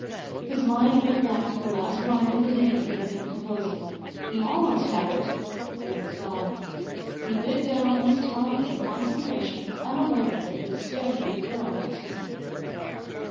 His mind went back to the last line of the ditty he had been composing. He almost had it, then it was gone. He bit down on his tongue in concentration, unaware that he was staring at the girl next to him.